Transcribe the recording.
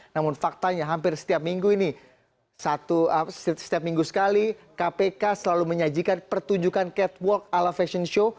namun faktanya hampir setiap minggu ini setiap minggu sekali kpk selalu menyajikan pertunjukan catwalk ala fashion show